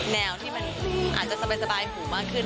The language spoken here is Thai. แนวที่มันอาจจะสบายหูมากขึ้น